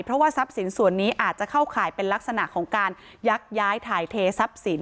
เพราะว่าทรัพย์สินส่วนนี้อาจจะเข้าข่ายเป็นลักษณะของการยักย้ายถ่ายเททรัพย์สิน